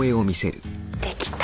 できた。